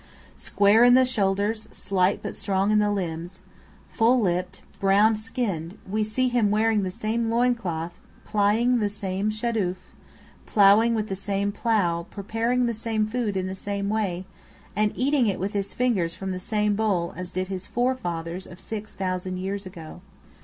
Square in the shoulders, slight but strong in the limbs, full lipped, brown skinned, we see him wearing the same loin cloth, plying the same shâdûf, ploughing with the same plough, preparing the same food in the same way, and eating it with his fingers from the same bowl, as did his forefathers of six thousand years ago.